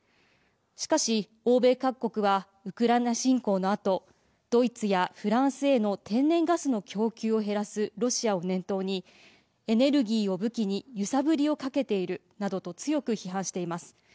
しかし、欧米各国はウクライナ侵攻のあとドイツやフランスへの天然ガスの供給を減らすロシアを念頭にエネルギーを武器に揺さぶりをかけているなどと強く批判しています。